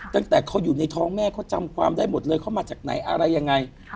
ตั้งแต่เขาอยู่ในท้องแม่เขาจำความได้หมดเลยเขามาจากไหนอะไรยังไง